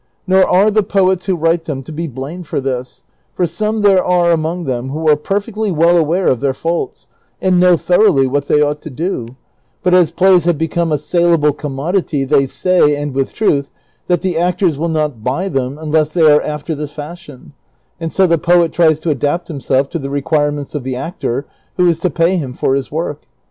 Nor are the poets who write them to be blamed for this ; for some there are among them who are perfectly well aware of their faults, and know thoroughly what they ought to do ; but as plays have become a salable commodity, they say, and with truth, that the actors will not buy them unless they are after this fashion ; and so ,the poet tries to adapt himself to the requirements of the actor who is to pay him for his work.